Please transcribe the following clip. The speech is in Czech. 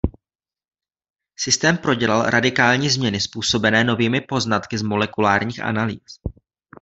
Systém prodělal radikální změny způsobené novými poznatky z molekulárních analýz.